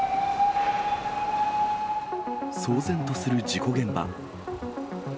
騒然とする事故現場。